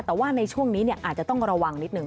แต่ว่าในช่วงนี้อาจจะต้องระวังนิดนึ